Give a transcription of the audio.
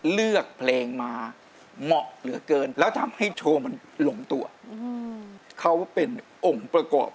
เลือกเพลงมาเหมาะเหลือเกินแล้วทำให้โชว์มันหลงตัวเขาเป็นองค์ประกอบ